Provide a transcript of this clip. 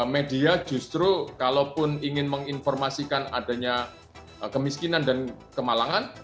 media justru kalaupun ingin menginformasikan adanya kemiskinan dan kemalangan